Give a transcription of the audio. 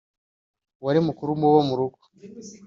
wari mukuru mu bo mu rugo